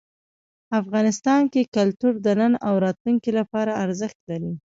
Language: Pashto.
افغانستان کې کلتور د نن او راتلونکي لپاره ارزښت لري.